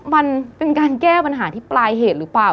มันเป็นการแก้ปัญหาที่ปลายเหตุหรือเปล่า